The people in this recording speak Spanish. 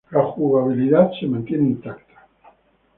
La jugabilidad se mantiene intacta.